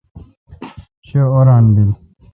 شہ اوران بیل